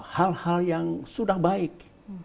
hal hal yang sudah baik